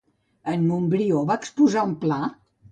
En Montbrió va exposar un pla?